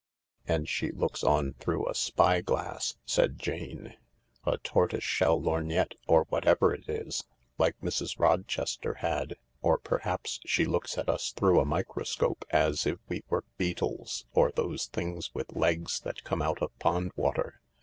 " And she looks on through a spy glass;" said Jane : "a tortoiseshell lorgnette or whatever it is, like Mrs. Rochester had. Or perhaps she looks at us through a microscope, as if we were beetles or those things with legs that come out of pond water."